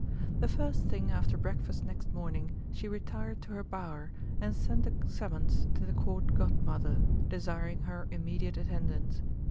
The first thing after breakfast the next morning she retired to her Bower, and sent a summons to the Court Godmother, desiring her immediate attendance.